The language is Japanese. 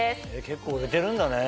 結構売れてるんだね。